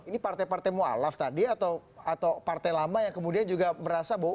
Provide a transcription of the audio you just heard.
ini partai partai mu'alaf tadi atau partai lama yang kemudian juga merasa bahwa